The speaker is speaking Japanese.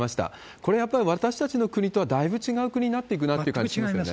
これはやっぱり私たちの国とはだいぶ違う国になっていくなって感全く違いますね。